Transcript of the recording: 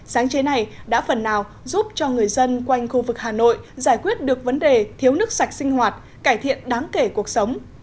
sáng chế này đã phần nào giúp cho người dân quanh khu vực hà nội giải quyết được vấn đề thiếu nước sạch sinh hoạt cải thiện đáng kể cuộc sống